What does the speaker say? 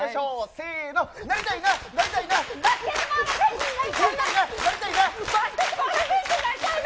せーの、なりたいな、なりたいな。